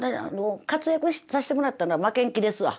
活躍さしてもらったのは負けん気ですわ。